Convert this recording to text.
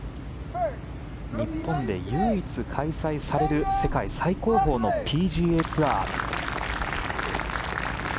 日本で唯一開催される世界最高峰のＰＧＡツアー。